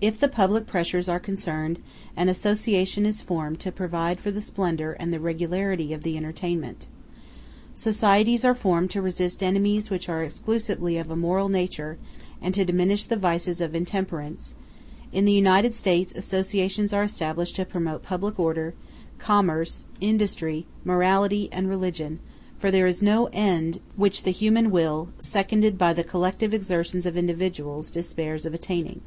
If the public pleasures are concerned, an association is formed to provide for the splendor and the regularity of the entertainment. Societies are formed to resist enemies which are exclusively of a moral nature, and to diminish the vice of intemperance: in the United States associations are established to promote public order, commerce, industry, morality, and religion; for there is no end which the human will, seconded by the collective exertions of individuals, despairs of attaining.